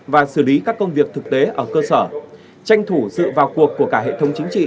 và xử lý các công việc thực tế ở cơ sở tranh thủ sự vào cuộc của cả hệ thống chính trị